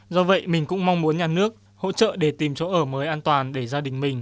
do vậy mình cũng mong muốn nhà nước hỗ trợ để tìm chỗ ở mới an toàn để gia đình mình